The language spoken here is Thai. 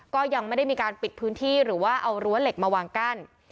ก็ยังไม่ได้มีการปิดพื้นที่หรือว่าเอารั้วเหล็กมาวางกั้น